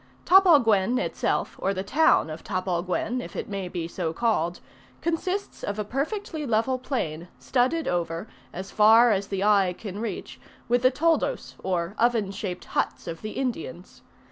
Tapalguen, itself, or the town of Tapalguen, if it may be so called, consists of a perfectly level plain, studded over, as far as the eye can reach, with the toldos or oven shaped huts of the Indians.